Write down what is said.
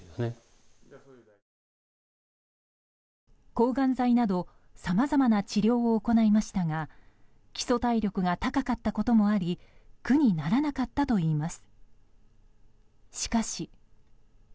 抗がん剤などさまざまな治療を行いましたが基礎体力が高かったこともあり苦にならなかったといいます。